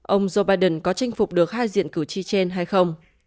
ông joe biden có chinh phục được hai diện cử tri trên hay không